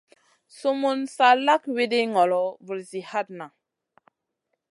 Sumun sa lak wiɗi ŋolo, vulzi hatna.